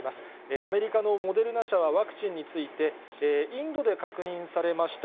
アメリカのモデルナ社はワクチンについて、インドで確認されました、